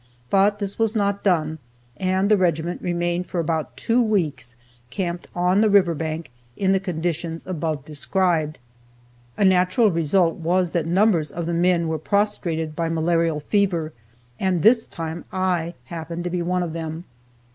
But this was not done, and the regiment remained for about two weeks camped on the river bank, in the conditions above described. A natural result was that numbers of the men were prostrated by malarial fever, and this time I happened to be one of them.